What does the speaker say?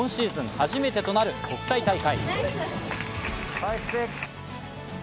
初めてとなる国際大会。